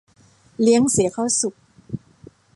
เลี้ยงเสียข้าวสุก